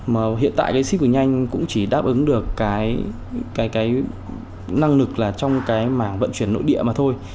mà hiện tại cái xip cực nhanh cũng chỉ đáp ứng được cái năng lực là trong cái mảng vận chuyển nội địa mà thôi